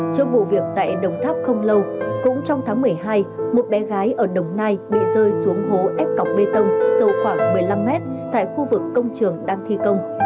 trước vụ việc tại đồng tháp không lâu cũng trong tháng một mươi hai một bé gái ở đồng nai bị rơi xuống hố ép cọc bê tông sâu khoảng một mươi năm mét tại khu vực công trường đang thi công